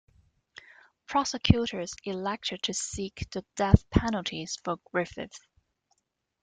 Prosecutors elected to seek the death penalty for Griffith.